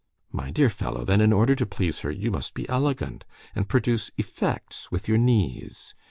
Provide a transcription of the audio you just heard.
"My dear fellow, then in order to please her, you must be elegant, and produce effects with your knees.